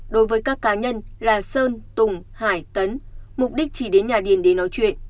đối với các cá nhân là sơn tùng hải tấn mục đích chỉ đến nhà điền để nói chuyện